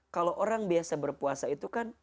kalau orang biasa berpuasa itu kan